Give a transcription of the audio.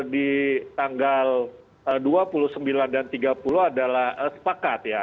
di tanggal dua puluh sembilan dan tiga puluh adalah sepakat ya